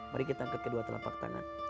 mari kita angkat kedua telapak tangan